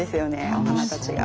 お花たちが。